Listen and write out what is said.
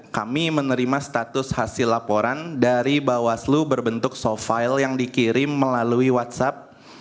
kami menerima status hasil laporan dari bawaslu berbentuk soft file yang dikirim melalui whatsapp